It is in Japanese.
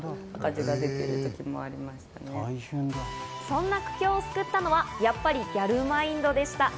そんな苦境を救ったのは、やっぱりギャルマインドでした。